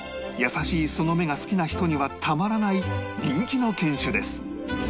優しいその目が好きな人にはたまらない人気の犬種です